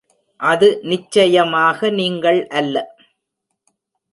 அது நிச்சயமாக நீங்கள் அல்ல.